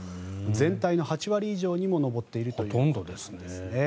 全体の８割以上にも上っているということなんですね。